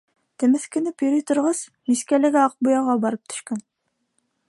Темеҫкенеп йөрөй торғас, мискәләге аҡ буяуға барып төшкән.